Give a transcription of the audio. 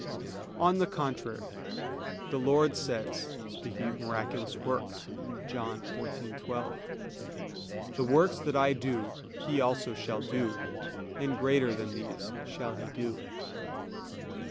On the contrary, The Lord says, speaking of miraculous works (John 14:12): "The works that I do, he also shall do, and greater than these shall he do."